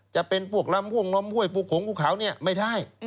จะเป็นพวกล้ำห่วงล้ำห้วยปลูกโขงพวกเขาไม่ได้